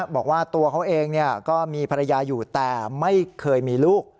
บอกว่าตัวเขาเองก็มีภรรยาอยู่แต่ไม่เคยมีลูก